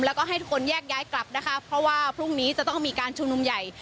แล้วก็ให้ทุกคนแยกย้ายกลับนะคะเพราะว่าพรุ่งนี้จะต้องมีการชุมนุมใหญ่